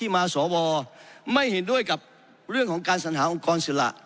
ที่มาสวทธิ์ไม่เห็นด้วยกับเรื่องของการสัญหาองค์กรศิลป์